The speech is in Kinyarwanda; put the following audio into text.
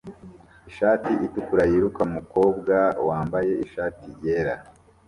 ishati itukura yiruka mukobwa wambaye ishati yera